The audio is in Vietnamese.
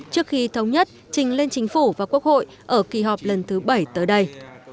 trước khi thống nhất trình lên chính phủ và quốc hội ở kỳ họp lần thứ bảy tới đây